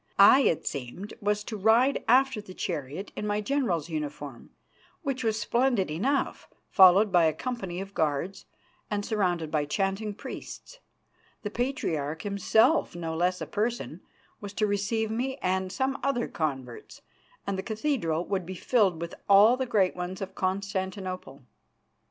I, it seemed, was to ride after the chariot in my general's uniform, which was splendid enough, followed by a company of guards, and surrounded by chanting priests. The Patriarch himself, no less a person, was to receive me and some other converts, and the cathedral would be filled with all the great ones of Constantinople.